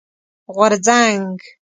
غورځنګ